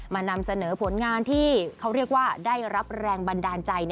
นำเสนอผลงานที่เขาเรียกว่าได้รับแรงบันดาลใจ